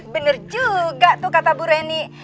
bener juga tuh kata bu reni